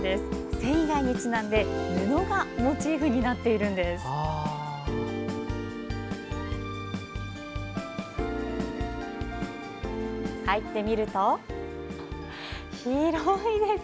繊維街にちなんで布がモチーフになっているんです。